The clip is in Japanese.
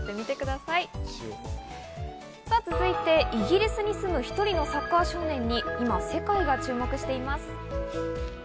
さぁ続いて、イギリスに住む一人のサッカー少年に今世界が注目しています。